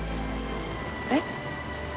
えっ？